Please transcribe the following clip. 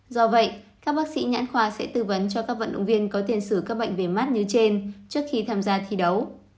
do vậy các bác sĩ nhãn khoa sẽ tư vấn cho các vận động viên có tiền sử các bệnh về mắt như trên trước khi tham gia thi đấu